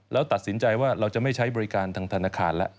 แล้วตัดสินใจว่าเราจะไม่ใช้บริการทางธนาคารแล้ว